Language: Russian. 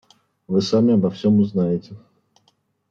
Вы сами обо всем узнаете.